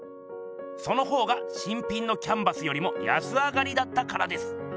その方が新品のキャンバスよりも安上がりだったからです。